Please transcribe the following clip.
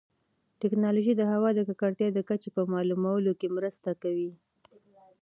ټیکنالوژي د هوا د ککړتیا د کچې په معلومولو کې مرسته کوي.